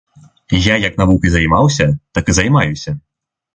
Я як навукай займаўся, так і займаюся.